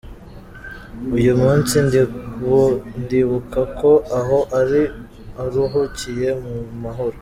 Uyu munsi ndibuka ko aho ari aruhukiye mu mahoro.